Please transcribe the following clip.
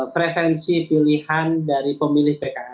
frevensi pilihan dari